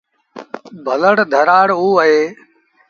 ڀلڙ ڌرآڙ اوٚ اهي۔